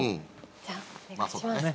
じゃあお願いします。